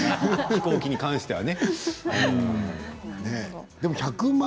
飛行機に関してはね。